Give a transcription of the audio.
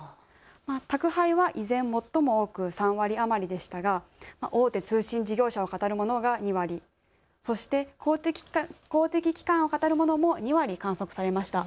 宅配は依然最も多く３割余りでしたが、大手通信事業者をかたるものが２割、そして公的機関をかたるものも２割観測されました。